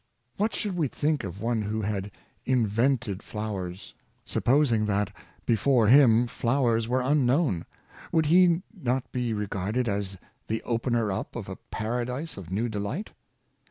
What should we think of one who had invented flow ers, supposing that, before him, flowers were unknown? would he not be regarded as the opener up of a para dise of new delight?